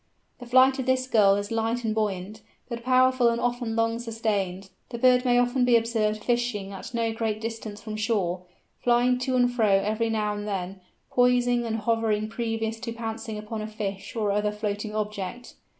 The flight of this Gull is light and buoyant, but powerful and often long sustained. The bird may often be observed fishing at no great distance from shore, flying to and fro every now and then, poising and hovering previous to pouncing down upon a fish or other floating object.